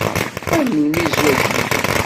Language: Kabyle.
Ar melmi zzwaǧ-nni?